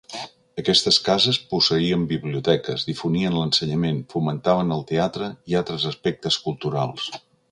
Aquestes cases posseïen biblioteques, difonien l'ensenyament, fomentaven el teatre i altres aspectes culturals.